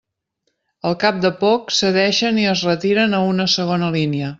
Al cap de poc, cedeixen i es retiren a una segona línia.